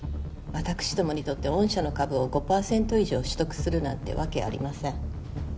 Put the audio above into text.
私どもにとって御社の株を５％以上取得するなんてわけありません